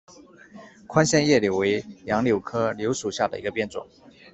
宽线叶柳为杨柳科柳属下的一个变种。